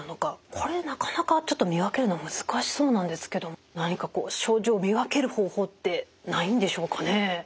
これなかなかちょっと見分けるの難しそうなんですけど何かこう症状を見分ける方法ってないんでしょうかね？